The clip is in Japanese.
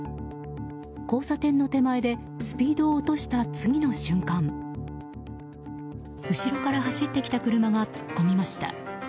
交差点の手前でスピードを落とした次の瞬間後ろから走ってきた車が突っ込みました。